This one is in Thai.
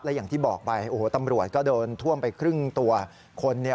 อย่างที่บอกไปโอ้โหตำรวจก็โดนท่วมไปครึ่งตัวคนเนี่ย